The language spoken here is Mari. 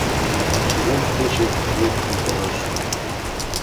Чевер кечет лектын толеш